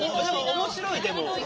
面白いでも。